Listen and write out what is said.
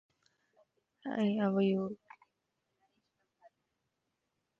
The intent was to create a potentially infinite massively multiplayer game framework.